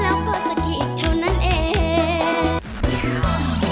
แล้วก็สะกิดเท่านั้นเอง